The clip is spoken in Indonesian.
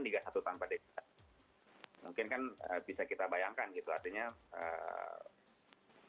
liga satu tanpa desa mungkin kan eee bisa kita bayangkan gitu artinya eee